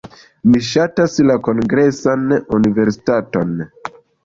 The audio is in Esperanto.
Mi ŝatas la Kongresan Universitaton.